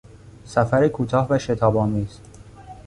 سفر کوتاه و شتابآمیز